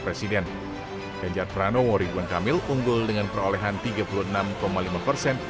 presiden ganjar pranowo ridwan kamil unggul dengan perolehan tiga puluh enam lima persen